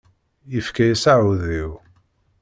Yefka-yas aɛudiw.